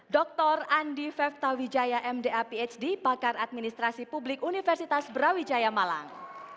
dr andi fefta wijaya mda phd pakar administrasi publik universitas brawijaya malang